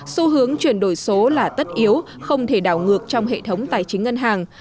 xu hướng chuyển đổi số là tất yếu không thể đảo ngược trong hệ thống tài chính ngân hàng